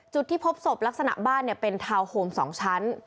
จุดที่พบศพลักษณะบ้านเป็นทาวน์โฮม๒ชั้น